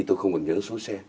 tôi không còn nhớ số xe